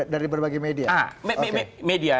dari berbagai media